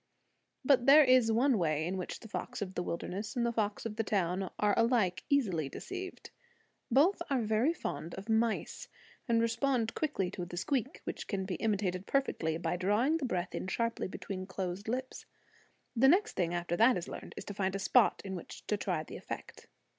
But there is one way in which fox of the wilderness and fox of the town are alike easily deceived. Both are very fond of mice, and respond quickly to the squeak, which can be imitated perfectly by drawing the breath in sharply between closed lips. The next thing, after that is learned, is to find a spot in which to try the effect.